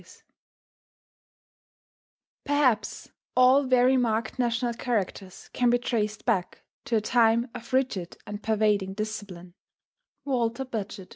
489 "Perhaps all very marked national characters can be traced back to a time of rigid and pervading discipline" WALTER BAGEHOT.